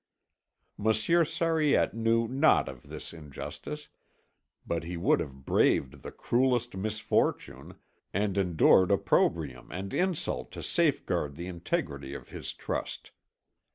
Monsieur Sariette knew nought of this injustice, but he would have braved the cruellest misfortune and endured opprobrium and insult to safeguard the integrity of his trust.